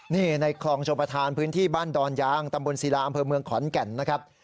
นี่ในคลองชมประธานพื้นที่บ้านดอนยางตำบลศิลาอำเภอเมืองขอนแก่นนะครับ